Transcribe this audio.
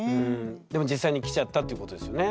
でも実際にきちゃったってことですよね。